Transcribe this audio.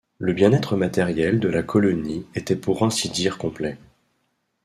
Le bien-être matériel de la colonie était pour ainsi dire complet.